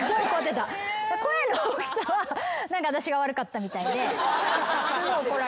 声の大きさは私が悪かったみたいで。